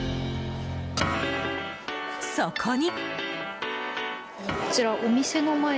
そこに。